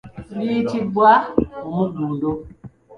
Liyitibwa omuguddo.